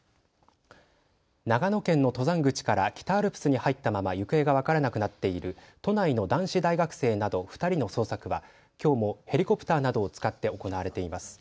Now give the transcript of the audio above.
長野県の登山口から北アルプスに入ったまま行方が分からなくなっている都内の男子大学生など２人の捜索はきょうもヘリコプターなどを使って行われています。